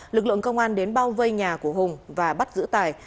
lực lượng công an đến bao vây nhà của hùng và bắt giữ tài